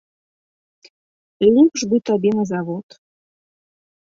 Лепш бы табе на завод.